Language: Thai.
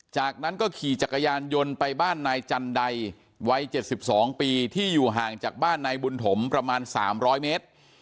จากนั้นก็ขี่จักรยานยนต์ไปบ้านนายจันใดวัย๗๒ปีที่อยู่ห่างจากบ้านนายบุญถมประมาณ๓๐๐เมตร